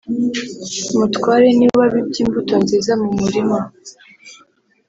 Mutware ntiwabibye imbuto nziza mu murima